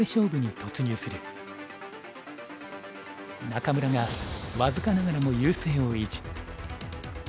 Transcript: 仲邑が僅かながらも優勢を維持。